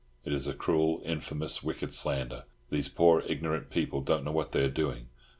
It is a cruel, infamous, wicked slander. These poor, ignorant people don't know what they are doing.